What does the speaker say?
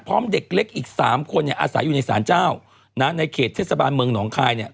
เด็กเล็กอีก๓คนเนี่ยอาศัยอยู่ในสารเจ้านะในเขตเทศบาลเมืองหนองคายเนี่ย